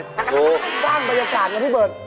สร้างบรรยากาศไงพี่เบิร์ด